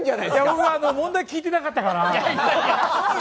僕は問題聞いてなかったから。